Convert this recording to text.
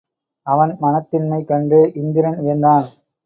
அவன் மனத்திண்மை கண்டு இந்திரன் வியந்தான்.